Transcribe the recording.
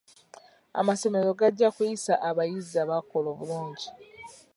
Amasomero gajja kuyisa abayizi abakola obulungi.